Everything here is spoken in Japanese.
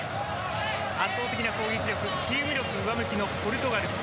圧倒的な攻撃力チーム力が武器のポルトガル。